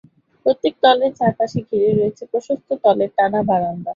প্রত্যেক তলের চারপাশে ঘিরে রয়েছে প্রশস্ত তলের টানা বারান্দা।